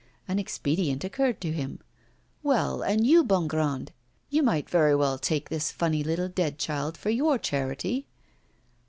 An expedient occurred to him. 'Well, and you, Bongrand? You might very well take this funny little dead child for your charity.